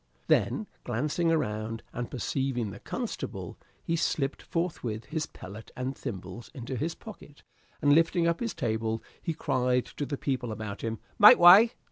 Then, glancing around, and perceiving the constable, he slipped forthwith his pellet and thimbles into his pocket, and lifting up his table, he cried to the people about him, "Make way!"